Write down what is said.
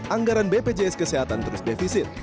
anggaran bpjs kesehatan terus defisit